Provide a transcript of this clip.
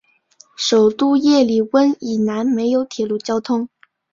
首都叶里温以南没有铁路交通。